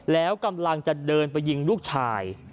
แล้วกำลังจะเดินไปยิงลูกชาย